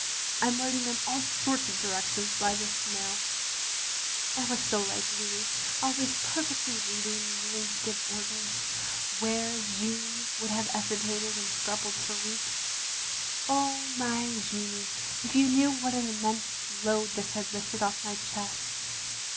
I 'm writing them all sorts of directions by this very mmV\ .. (That was so like Louis! always perfectly ready and willing to give orders, where 134 THE LONELY LADY Jeanne would have hesitated and scrupled for weeks). .. "Oh my Jeannie, if you knew what an immense load this had lifted off my chest.